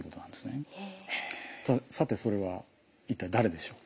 さてそれは一体誰でしょう？